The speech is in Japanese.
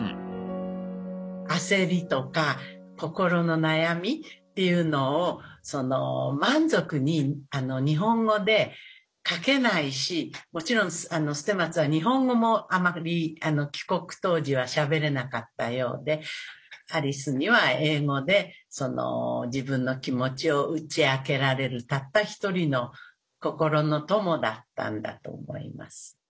焦りとか心の悩みっていうのを満足に日本語で書けないしもちろん捨松は日本語もあまり帰国当時はしゃべれなかったようでアリスには英語で自分の気持ちを打ち明けられるたった一人の心の友だったんだと思います。